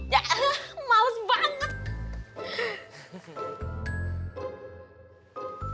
ya elah males banget